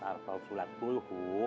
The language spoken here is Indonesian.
atau surat kul hu